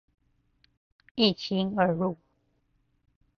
一心二路